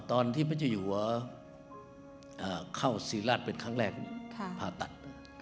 ตอนที่พระเจ้าอยู่หัวเข้าศรีราชเป็นครั้งแรกผ่าตัด